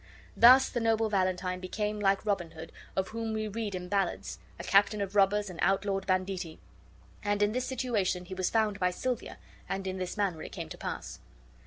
Thus the noble Valentine became, like Robin Hood, of whom we read in ballads, a captain of robbers and outlawed banditti; and in this situation he was found by Silvia, and in this manner it came to pass.